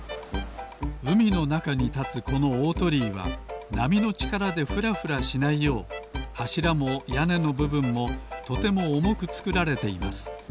うみのなかにたつこのおおとりいはなみのちからでふらふらしないようはしらもやねのぶぶんもとてもおもくつくられています。